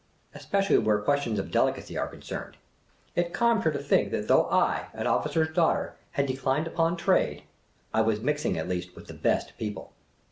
Especially where questions of delicacy are concerned. It calmed her to think that though I, an officer's daughter, had declined upon trade, I was mixing at least with the Best People